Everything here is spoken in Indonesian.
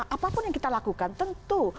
apapun yang kita lakukan tentu